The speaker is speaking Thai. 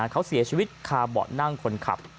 เขาเสียชีวิตคาเบาะนั่งคนขับ